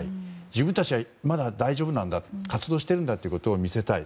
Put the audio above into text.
自分たちはまだ大丈夫なんだ活動しているんだというのを見せたい。